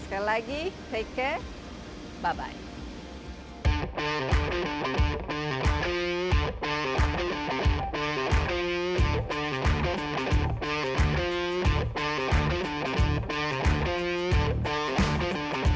sekali lagi take care